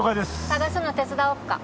捜すの手伝おうか？